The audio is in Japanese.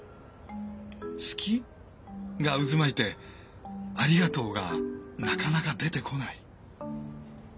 「好き？」が渦巻いて「ありがとう」がなかなか出てこない。